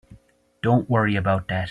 Don't worry about that.